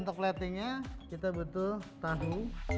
untuk platingnya kita butuh tahu